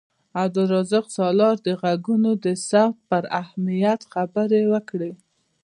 عبدالرزاق سالار د غږونو د ثبت پر اهمیت خبرې وکړې.